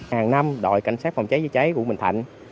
hàng năm đội cảnh sát phòng cháy chữa cháy quận bình thạnh